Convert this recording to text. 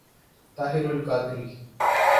Tahir al-Qadri